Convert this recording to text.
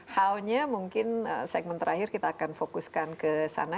how nya mungkin segmen terakhir kita akan fokuskan ke sana